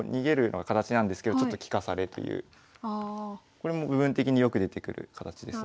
これも部分的によく出てくる形ですね。